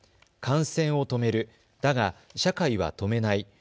感染を止める、だが社会は止めない。